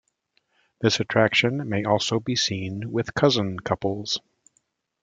This attraction may also be seen with cousin couples.